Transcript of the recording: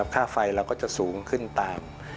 ค่าไฟเราก็จะสูงขึ้นตาม